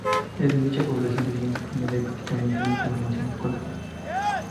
En dicha población recibió su primera y prácticamente única formación escolar.